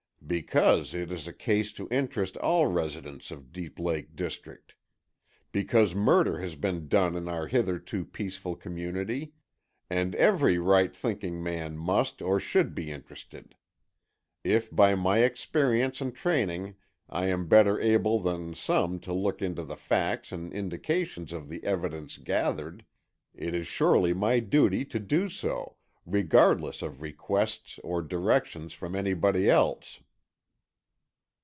"Because it is a case to interest all residents of Deep Lake district. Because murder has been done in our hitherto peaceful community and every right thinking man must or should be interested. If by my experience and training I am better able than some to look into the facts and indications of the evidence gathered, it is surely my duty to do so, regardless of requests or directions from anybody else."